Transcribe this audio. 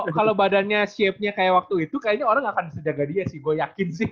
kalau badannya shape nya kayak waktu itu kayaknya orang akan sejaga dia sih gue yakin sih